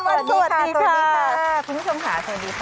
สวัสดีค่ะมีชมหา